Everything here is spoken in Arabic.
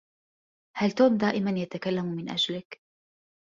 هل توم دائما يتكلم من أجلك؟